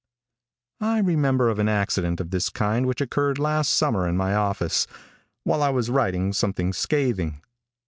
I remember of an accident of this kind which occurred last summer in my office, while I was writing something scathing.